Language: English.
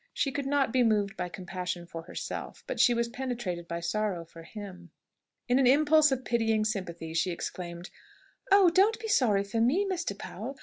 She could not be moved by compassion for herself, but she was penetrated by sorrow for him. In an impulse of pitying sympathy she exclaimed, "Oh, don't be so sorry for me, Mr. Powell!